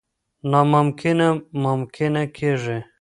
نا ممکنه ممکنه کېږي.